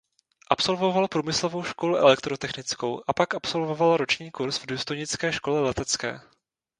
Absolvoval průmyslovou školu elektrotechnickou a pak absolvoval roční kurz v důstojnické škole letecké.